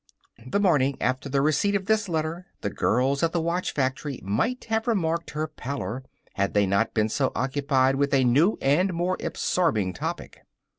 The morning after the receipt of this letter the girls at the watch factory might have remarked her pallor had they not been so occupied with a new and more absorbing topic.